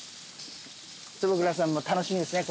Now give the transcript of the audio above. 坪倉さんも楽しみですね